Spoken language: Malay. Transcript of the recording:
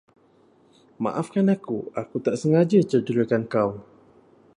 Maafkan aku, aku tak sengaja cederakan kau.